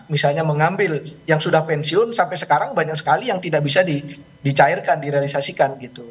misalnya mengambil yang sudah pensiun sampai sekarang banyak sekali yang tidak bisa dicairkan direalisasikan gitu